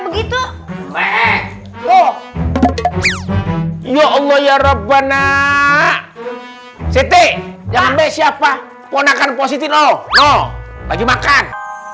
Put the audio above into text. begitu meh loh ya allah ya rabbana siti jangan be siapa ponakan positif oh oh lagi makan